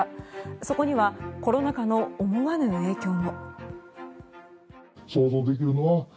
そこにはコロナ禍の思わぬ影響も。